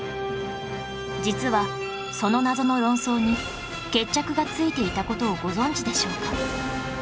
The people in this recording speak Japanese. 実はその謎の論争に決着がついていた事をご存じでしょうか？